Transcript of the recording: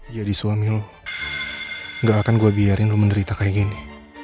jadi suami lo enggak akan gue biarin lo menderita kayak gini